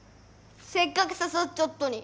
せっかく誘っちょっとに。